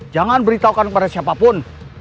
jangan beritahukan kepada siapapun